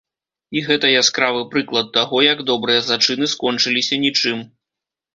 І гэта яскравы прыклад таго, як добрыя зачыны скончыліся нічым.